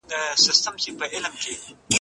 دا موضوع چا انتخاب کړې ده؟